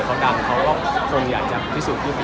ก็คิดว่าถ้าเกิดเขาดังเขาก็คลมอย่างจะพิสูจน์ยุติมือ